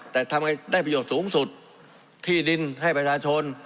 แต่ทำไงได้ประโยชน์สูงสุดที่ดินให้ประชาชน